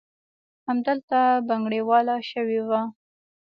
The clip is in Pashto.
همدلته بنګړیواله شوې وه.